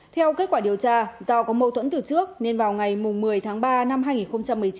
theo kết quả điều tra do có mâu thuẫn từ trước nên vào ngày một mươi tháng ba năm hai nghìn một mươi chín